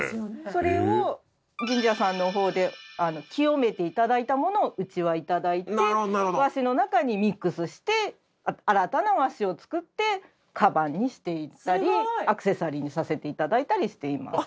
それを神社さんのほうで清めていただいたものをうちはいただいて和紙の中にミックスして新たな和紙を作ってカバンにしていったりアクセサリーにさせていただいたりしています